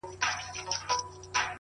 o زه به غمو ته شاعري كومه؛